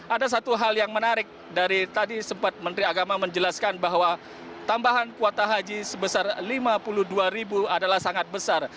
ada satu hal yang menarik dari tadi sempat menteri agama menjelaskan bahwa tambahan kuota haji sebesar lima puluh dua ribu adalah sangat besar